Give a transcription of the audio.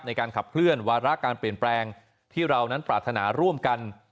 ในการขับเคลื่อนวาระการเปลี่ยนแปลงที่เรานั้นปรารถนาร่วมกัน